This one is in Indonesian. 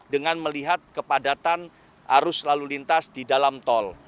dengan melihat kepadatan arus lalu lintas di dalam tol